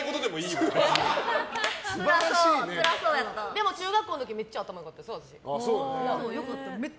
でも中学校の時めっちゃ頭良かった、うち。